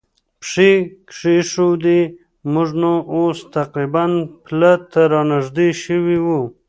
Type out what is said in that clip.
پښې کېښوودې، موږ نو اوس تقریباً پله ته را نږدې شوي و.